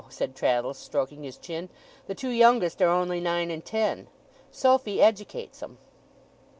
said Traddles, stroking his chin. 'The two youngest are only nine and ten. Sophy educates 'em.